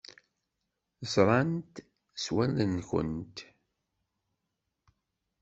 Ẓremt s wallen-nkent.